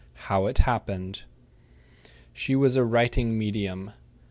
HOW IT HAPPENED She was a writing medium.